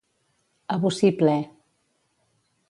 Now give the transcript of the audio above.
A bocí ple.